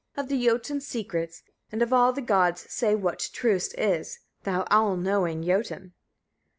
of the Jötuns' secrets, and of all the gods', say what truest is, thou all knowing Jötun!